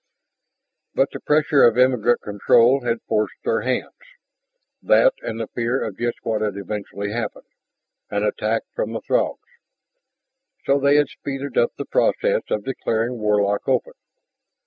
But the pressure of Emigrant Control had forced their hands, that and the fear of just what had eventually happened an attack from the Throgs. So they had speeded up the process of declaring Warlock open.